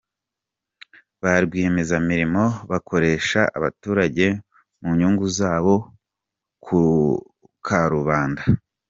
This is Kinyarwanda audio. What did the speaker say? Ba Rwiyemezamirimo bakoresha abaturage mu nyungu zabo ku karubanda